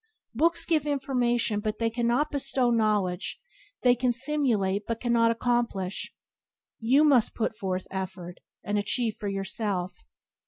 Books give information but they cannot bestow knowledge; they can stimulate but cannot accomplish — you must put forth effort, and achieve for yourself.